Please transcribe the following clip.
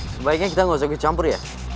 sebaiknya kita nggak usah ke campur ya